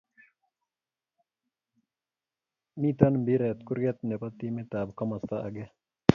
Mito mpiret kurke ne bo timit ab komosta age.